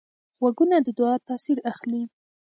غوږونه د دعا تاثیر اخلي